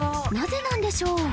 なぜなんでしょう？